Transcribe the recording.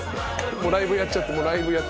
もうライブやっちゃって。